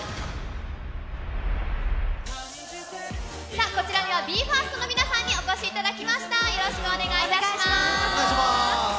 さあ、こちらにはＢＥ：ＦＩＲＳＴの皆さんにお越しいただきました。